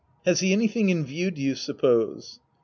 Has he anything in view, do you suppose